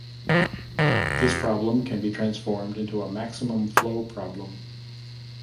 This problem can be transformed into a maximum-flow problem.